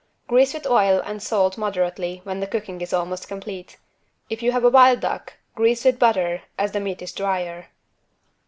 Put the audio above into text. Grease with oil and salt moderately when the cooking is almost complete. If you have a wild duck grease with butter, as the meat is drier.